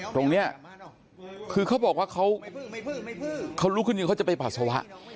ตรงนี้คือเขาบอกว่าเขาลุกขึ้นยืนเขาจะไปปัสสาวะ